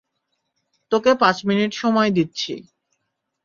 তোকে পাঁচ মিনিট সময় দিচ্ছি।